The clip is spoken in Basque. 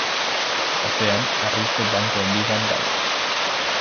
Atzean, harrizko banku handi bat dago.